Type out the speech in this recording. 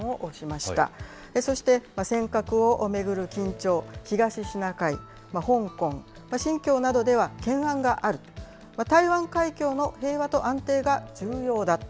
そして尖閣を巡る緊張、東シナ海、香港、新疆などでは懸案がある、台湾海峡の平和と安定が重要だと。